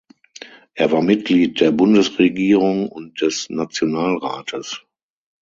Er war Mitglied der Bundesregierung und des Nationalrates.